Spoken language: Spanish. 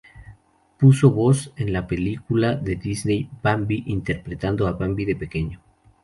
Puso voz en la película de Disney, Bambi, interpretando a Bambi de pequeño.